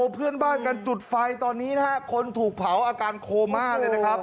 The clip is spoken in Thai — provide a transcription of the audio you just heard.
เพื่อนบ้านกันจุดไฟตอนนี้นะฮะคนถูกเผาอาการโคม่าเลยนะครับ